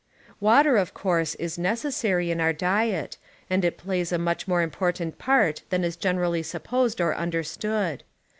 Water, of course, is necessary in our diet and it plays a much more important part than is generally supposed or imderstood.